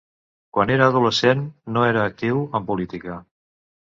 Quan era adolescent, no era actiu en política.